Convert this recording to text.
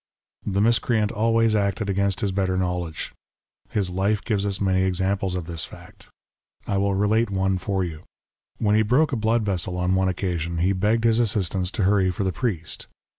The miscreant always acted against his better knowledge. His life gives us many examples of this fact. I will relate one for you. When he broke a blood vessel on one occasion, he begged his assistants to hurry for the priest.